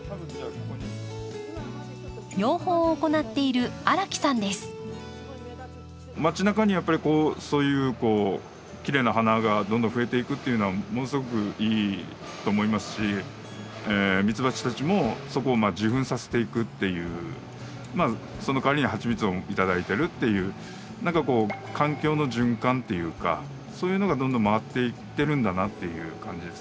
養蜂を行っているまち中にやっぱりこうそういうきれいな花がどんどん増えていくっていうのはものすごくいいと思いますしミツバチたちもそこを受粉させていくっていうまあそのかわりにハチミツを頂いてるっていう何かこう環境の循環っていうかそういうのがどんどん回っていってるんだなっていう感じですかね。